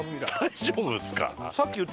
大丈夫っすか？